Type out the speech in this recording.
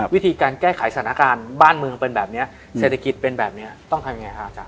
วิธีการแก้ไขสถานการณ์บ้านเมืองเป็นแบบนี้เศรษฐกิจเป็นแบบนี้ต้องทำยังไงฮะอาจาร